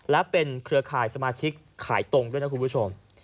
และเป็นเครือข่ายสมาชิกขายตรงด้วยนะคุณผู้ชม